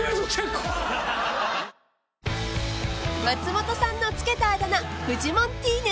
［松本さんの付けたあだ名フジモンティーヌ］